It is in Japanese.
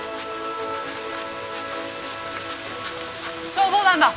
消防団だ！